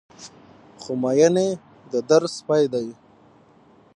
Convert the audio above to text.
خو مين يې د در سپى دى